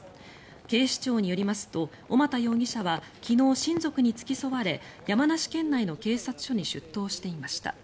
警視庁によりますと小俣容疑者は昨日、親族に付き添われ山梨県内の警察署に出頭していました。